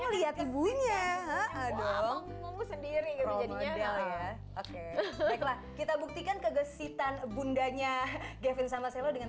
lihat ibunya aduh sendiri jadinya kita buktikan kegesitan bundanya gavin sama seluruh dengan